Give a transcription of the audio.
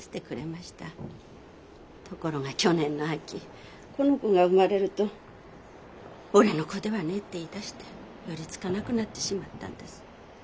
ところが去年の秋この子が生まれると「俺の子ではねえ」って言いだして寄りつかなくなってしまったんです。